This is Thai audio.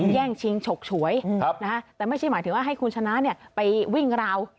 แย่งชิงฉกฉวยแต่ไม่ใช่หมายถึงว่าให้คุณชนะไปวิ่งราว